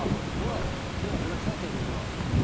でもこれ書いてあるよほら。